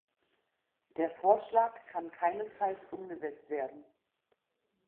Der Vorschlag kann keinesfalls umgesetzt werden.